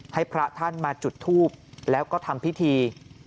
ให้พระท่านมาจุดทูบแล้วก็ทำพิธี